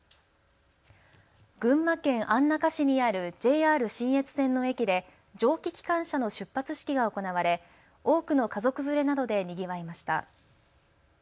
群馬県安中市にあるＪＲ信越線の駅で蒸気機関車の出発式が行われ多くの家族連れなどでにぎわいました。